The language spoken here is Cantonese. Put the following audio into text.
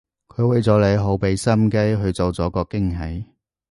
佢為咗你好畀心機去做咗個驚喜